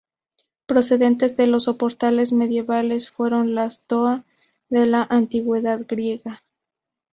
Precedentes de los soportales medievales fueron las "stoa" de la Antigüedad griega.